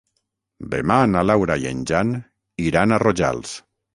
Demà na Laura i en Jan iran a Rojals.